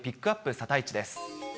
サタイチです。